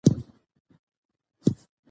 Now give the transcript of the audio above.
سیاسي بدلون اصلاح ته اړتیا لري